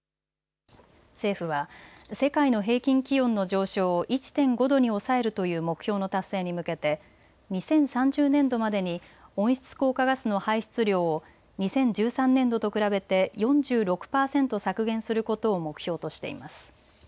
政府は世界の平均気温の上昇を１．５度に抑えるという目標の達成に向けて２０３０年度までに温室効果ガスの排出量を２０１３年度と比べて４６％削減することを目標としています。